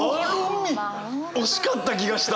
惜しかった気がした！